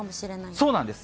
そうなんです。